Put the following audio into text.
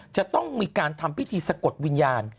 จะต้องมีการทำพิธีสะกดวิญญาณ